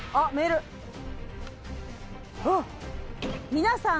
「皆さん